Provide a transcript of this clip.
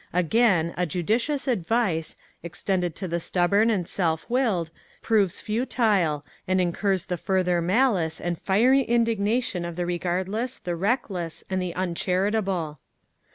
Again, a judicious advice, extended to the stubborn and self willed, proves futile, and incurs the further malice and fiery indignation of the regardless, the reckless, and the uncharitable.